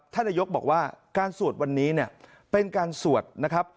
ท่านนโยคบอกว่าการสวดวันนี้เป็นการสวดนะครับ